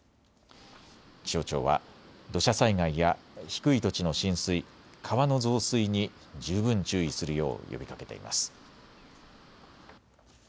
気象庁は土砂災害や低い土地の浸水、川の増水に十分注意するよう呼びかけています。